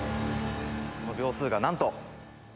「その秒数がなんと」